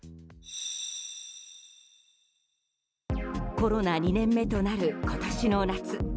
コロナ２年目となる今年の夏。